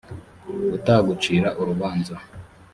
utagucira urubanza